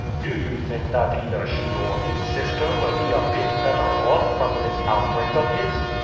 "Do you think that either she or his sister will be a bit better off from this outbreak of his?"